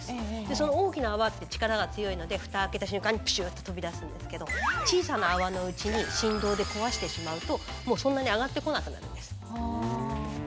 その大きな泡って力が強いのでフタ開けた瞬間にプシュっと飛び出すんですけど小さな泡のうちに振動で壊してしまうともうそんなに上がってこなくなるんです。